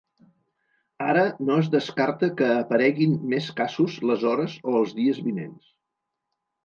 Ara, no es descarta que apareguin més casos les hores o els dies vinents.